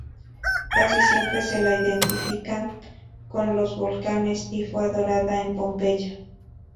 Casi siempre se la identifica con los volcanes, y fue adorada en Pompeya.